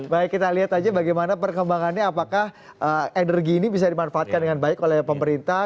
baik kita lihat aja bagaimana perkembangannya apakah energi ini bisa dimanfaatkan dengan baik oleh pemerintah